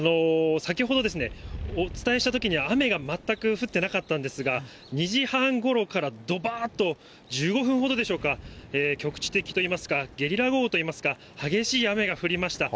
先ほどお伝えしたときには雨が全く降ってなかったんですが、２時半ごろからどばっと１５分ほどでしょうが、局地的といいますか、ゲリラ豪雨といいますか、激しい雨が降りました。